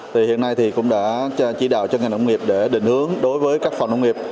thì hiện nay thì cũng đã chỉ đào cho ngành nông nghiệp để định hướng đối với các phòng nông nghiệp